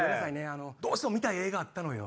どうしても見たい映画あったのよ。